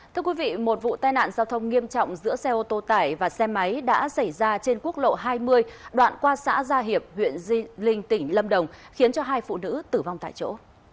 thưa quý vị một vụ tai nạn giao thông nghiêm trọng giữa xe ô tô tải và xe máy đã xảy ra trên quốc lộ hai mươi đoạn qua xã gia hiệp huyện di linh tỉnh lâm đồng khiến cho hai phụ nữ tử vong tại chỗ